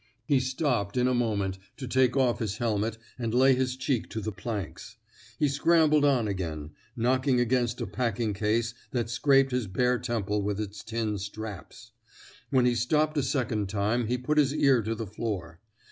He stopped, in a moment, to take off his helmet and lay his cheek to the planks. He scrambled on again — knocking against a packing case that scraped his bare temple with its tin '* straps.*' When he stopped a second time he put his ear to the floor.